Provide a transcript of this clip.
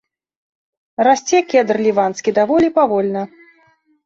Расце кедр ліванскі даволі павольна.